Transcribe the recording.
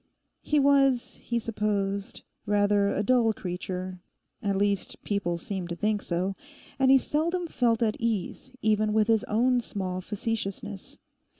He was, he supposed, rather a dull creature—at least people seemed to think so—and he seldom felt at ease even with his own small facetiousness.